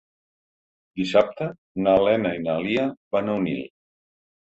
Dissabte na Lena i na Lia van a Onil.